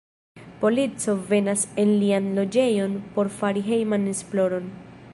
Polico venas en lian loĝejon por fari hejman esploron.